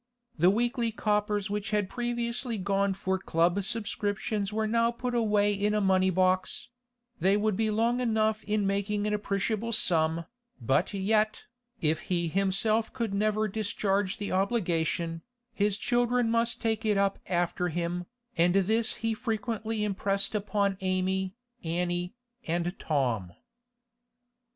The weekly coppers which had previously gone for club subscriptions were now put away in a money box; they would be long enough in making an appreciable sum, but yet, if he himself could never discharge the obligation, his children must take it up after him, and this he frequently impressed upon Amy, Annie, and Tom.